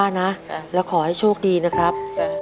ช่วยกันนะป้านะแล้วขอให้โชคดีนะครับ